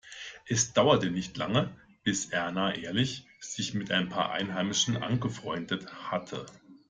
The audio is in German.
Es dauerte nicht lange, bis Erna Ehrlich sich mit ein paar Einheimischen angefreundet hatte.